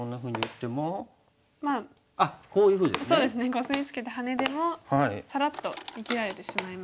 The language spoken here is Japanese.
コスミツケてハネでもさらっと生きられてしまいます。